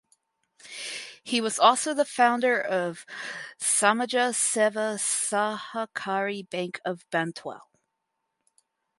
He was also the founder of Samaja Seva Sahakari Bank of Bantwal.